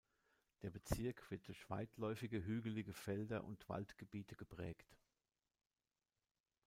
Der Bezirk wird durch weitläufige hügelige Felder und Waldgebiete geprägt.